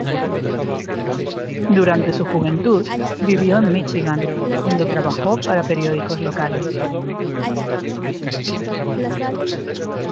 Durante su juventud vivió en Míchigan, donde trabajó para periódicos locales.